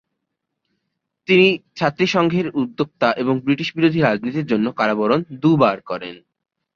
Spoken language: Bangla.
তিনি ছাত্রী সংঘের উদ্যোক্তা এবং ব্রিটিশ বিরোধী রাজনীতির জন্য কারাবরণ দু'বার করেন।